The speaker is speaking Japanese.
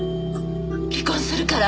離婚するから。